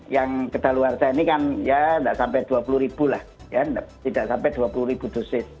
yang kedaluarsa ini kan tidak sampai dua puluh ribu dosis